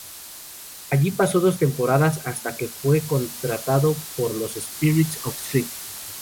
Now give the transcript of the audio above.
Allí pasó dos temporadas hasta que fue contratado por los Spirits of St.